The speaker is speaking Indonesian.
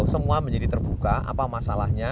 kalau kita lagi terbuka apa masalahnya